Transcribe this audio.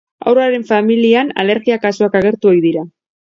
Haurraren familian alergia-kasuak agertu ohi dira.